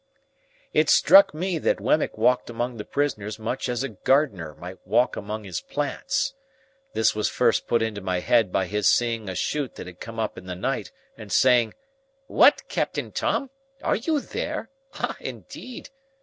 It struck me that Wemmick walked among the prisoners much as a gardener might walk among his plants. This was first put into my head by his seeing a shoot that had come up in the night, and saying, "What, Captain Tom? Are you there? Ah, indeed!"